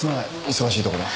忙しいところ。